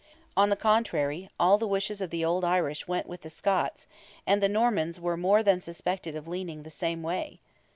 On the contrary all the wishes of the old Irish went with the Scots, and the Normans were more than suspected of leaning the same way.